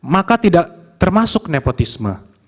maka tidak termasuk nepotisme